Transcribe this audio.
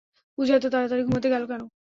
পূজা, এত তাড়াতাড়ি ঘুমাতে গেলে কেন?